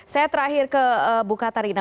saya terakhir ke bukatarina